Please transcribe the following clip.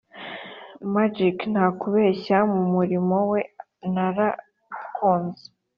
magic. nta 'kubeshya mu muriro we. "" naragukunze